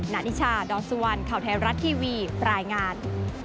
นานิชาดอสวัลข่าวแท้รัฐทีวีปลายงาน